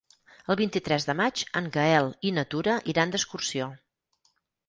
El vint-i-tres de maig en Gaël i na Tura iran d'excursió.